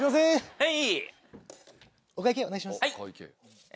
はい。